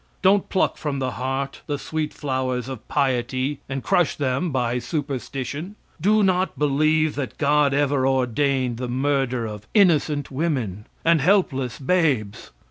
Don't pluck from the heart the sweet flowers of piety and crush them by superstition. Do not believe that God ever ordered the murder of innocent women and helpless babes.